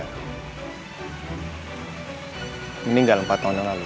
dia meninggal empat tahun lalu